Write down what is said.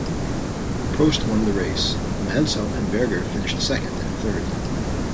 Prost won the race; Mansell and Berger finished second and third.